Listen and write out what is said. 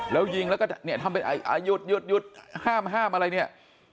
แล้วยิงกินแล้วก็ทำให้อยุดห้ามอะไรเนี้ย